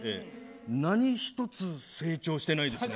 何一つ成長してないですね。